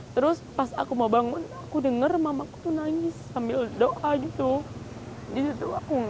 terus pas aku mau bangun aku denger mamaku tuh nangis sambil doa gitu